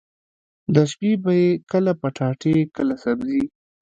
د شپې به يې کله پټاټې کله سبزي.